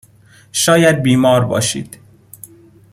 شاید بیمار باشید.